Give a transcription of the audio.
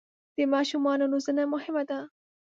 د ماشومانو روزنه مهمه ده.